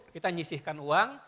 kita menyisihkan uang